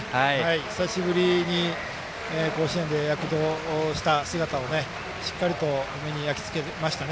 久しぶりに甲子園で躍動した姿をしっかりと目に焼きつけましたね